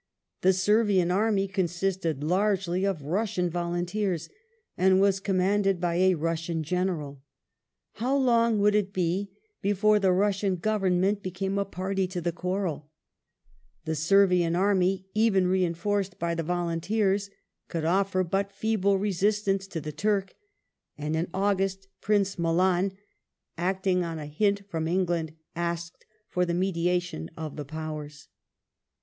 The Servian army consisted largely of Russian volunteers and was commanded by a Russian General. How long would it be before the Russian Government became a party to the quarrel ? The Sei vian army, even rein forced by the volunteers, could offer but a feeble resistance to the Turk, and in August Prince Milan, acting on a hint from England, asked for the mediation of the Powei s.